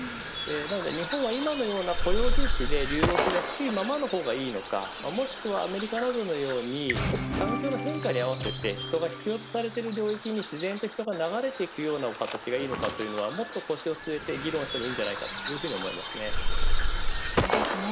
日本は今のような雇用重視で流動性が低いようなままがいいのかもしくはアメリカなどのように環境の変化に合わせて人が必要とされている領域に自然と人が流れる形がいいのかもっと腰を据えて議論してもいいんじゃないか確かにそうですね。